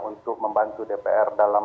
untuk membantu dpr dalam